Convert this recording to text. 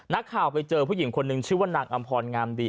นักข่าวไปเจอผู้หญิงคนนึงชื่อว่านางอำพรงามดี